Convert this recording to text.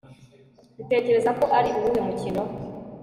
utekereza ko ari uwuhe mukino